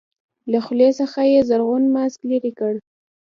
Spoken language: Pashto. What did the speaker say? له خولې څخه يې زرغون ماسک لرې کړ.